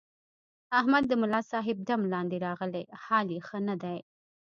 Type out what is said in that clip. احمد د ملاصاحب دم لاندې راغلی، حال یې ښه نه دی.